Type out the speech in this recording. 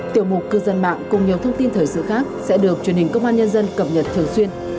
tiểu mục cư dân mạng cùng nhiều thông tin thời sự khác sẽ được truyền hình công an nhân dân cập nhật thường xuyên